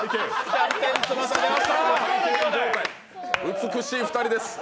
美しい２人です。